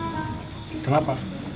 kamu kenapa gak makan nasi